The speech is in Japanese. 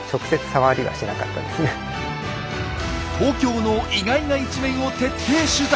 東京の意外な一面を徹底取材！